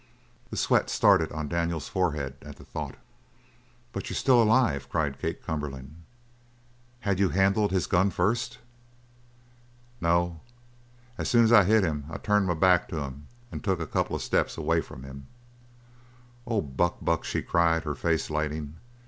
The sweat started on Daniels' forehead at the thought. "But you're still alive!" cried Kate Cumberland. "Had you handled his gun first?" "No. As soon as I hit him I turned my back to him and took a couple of steps away from him." "Oh, Buck, Buck!" she cried, her face lighting.